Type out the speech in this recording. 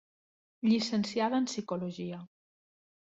Llicenciada en Psicologia.